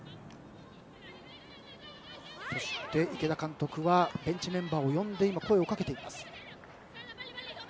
池田監督はベンチメンバーに声をかけていました。